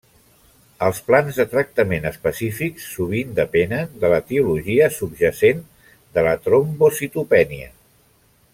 Els plans de tractament específics sovint depenen de l'etiologia subjacent de la trombocitopènia.